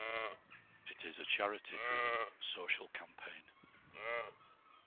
It is a charity-driven social campaign.